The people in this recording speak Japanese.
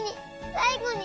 「さいごに」